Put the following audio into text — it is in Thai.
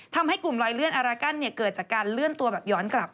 ทำให้กลุ่มลอยเลื่อนอารากันเกิดจากการเลื่อนตัวแบบย้อนกลับ